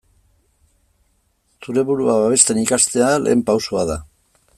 Zeure burua babesten ikastea lehen pausoa da.